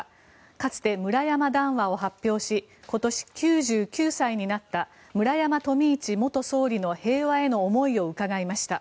かつて村山談話を発表し今年９９歳になった村山富市元総理の平和への思いを伺いました。